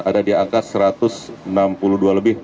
ada di angka satu ratus enam puluh dua lebih